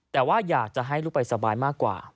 แต่ว่าอยากจะให้ลูกไปสบายมากกว่า